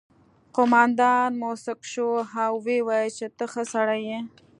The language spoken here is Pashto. قومندان موسک شو او وویل چې ته ښه سړی یې